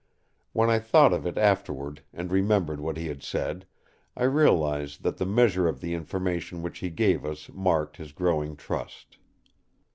When I thought of it afterward, and remembered what he had said, I realised that the measure of the information which he gave us marked his growing trust.